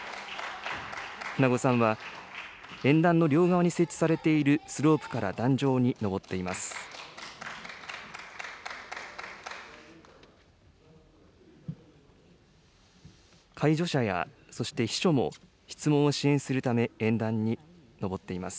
舩後さんは、演壇の両側に設置されているスロープから壇上にのぼっています。